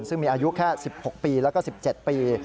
ซึ่งมีอายุแค่๑๖ปีแล้วก็๑๗ปี